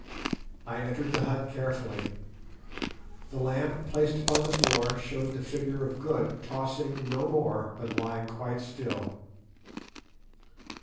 I entered the hut carefully. The lamp placed upon the floor showed the figure of Good tossing no more, but lying quite still.